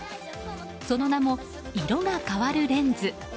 その名も色が変わるレンズ。